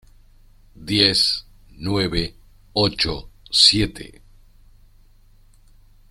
Diez, nueve , ocho , siete...